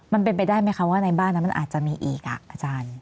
มันเป็นไปได้ไหมคะว่าในบ้านนั้นมันอาจจะมีอีกอาจารย์